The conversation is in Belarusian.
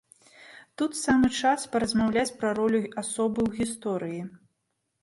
Тут самы час паразмаўляць пра ролю асобы ў гісторыі.